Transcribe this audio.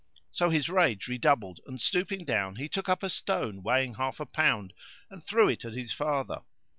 So his rage redoubled and, stooping down, he took up a stone weighing half a pound and threw it at his father.